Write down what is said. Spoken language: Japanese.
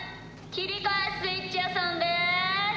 きりかえスイッチやさんです。